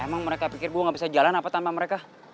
emang mereka pikir bu gak bisa jalan apa tanpa mereka